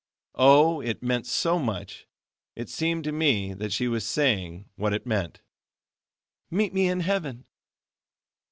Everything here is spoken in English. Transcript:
Oh! it meant so much. It seemed to me that she was saying, that it meant: "Meet me in heaven."